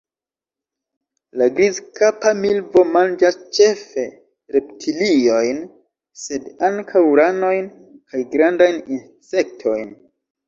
La Grizkapa milvo manĝas ĉefe reptiliojn, sed ankaŭ ranojn kaj grandajn insektojn.